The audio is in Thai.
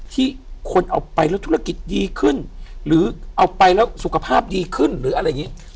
ที่คนเอาไปแล้วธุรกิจดีขึ้นหรือเอาไปแล้วสุขภาพดีขึ้นหรืออะไรอย่างนี้